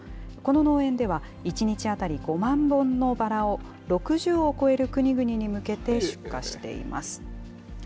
この農園では、１日当たり５万本のバラを、６０を超える国々に向けて出荷しています。